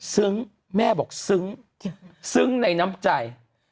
แม่บอกซึ้งซึ้งในน้ำใจ